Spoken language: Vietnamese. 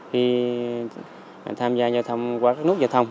khi tham gia giao thông qua các nút giao thông